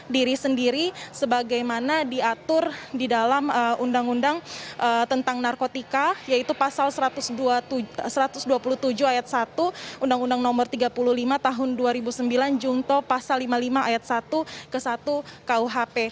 diri sendiri sebagaimana diatur di dalam undang undang tentang narkotika yaitu pasal satu ratus dua puluh tujuh ayat satu undang undang nomor tiga puluh lima tahun dua ribu sembilan jungto pasal lima puluh lima ayat satu ke satu kuhp